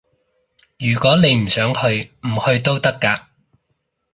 如果你唔想去，唔去都得㗎